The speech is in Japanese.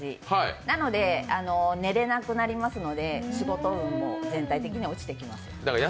なので寝れなくなりますので、仕事運も全体的に落ちてきます。